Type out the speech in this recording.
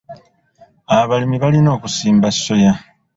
Abalimi balina okusimba soya.